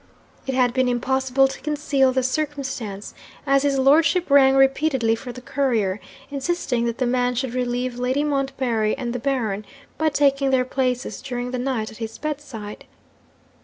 It had been impossible to conceal the circumstance, as his lordship rang repeatedly for the courier; insisting that the man should relieve Lady Montbarry and the Baron by taking their places during the night at his bedside.